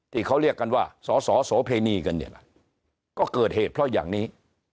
ที่เขาเรียกกันว่าสอสอโสเพณีกันเนี่ยนะก็เกิดเหตุเพราะอย่างนี้